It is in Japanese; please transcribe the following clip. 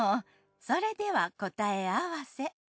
それではこたえあわせ。